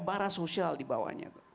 barah sosial di bawahnya